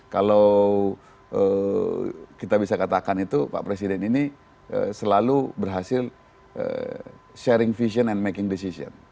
kalau kita bisa katakan itu pak presiden ini selalu berhasil sharing vision and making decision